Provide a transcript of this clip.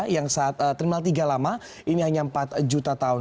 yang saat terminal tiga lama ini hanya empat juta tahun